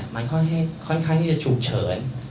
มันค่อนข้างที่จะฉุกเฉิน